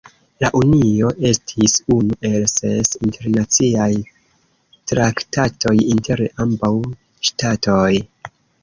La unio estis unu el ses internaciaj traktatoj inter ambaŭ ŝtatoj.